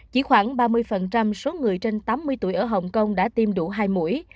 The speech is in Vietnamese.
chỉ khoảng ba mươi số người trên tám mươi tuổi ở hồng kông đã tiêm đủ hai mũi